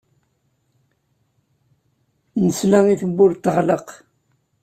Nesla i tewwurt teɣleq.